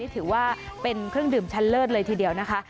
ถือว่าเป็นเครื่องดื่มชั้นเลิศเลยทีเดียวนะคะ